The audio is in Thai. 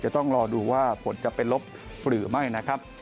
ต้องรอดูว่าผลจะเป็นลบหรือไม่นะครับ